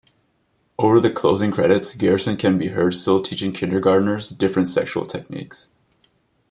Over the closing credits, Garrison can be heard still teaching kindergarteners different sexual techniques.